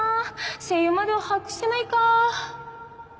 声優までは把握してないか